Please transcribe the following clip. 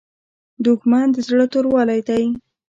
دښمن د زړه توروالی دی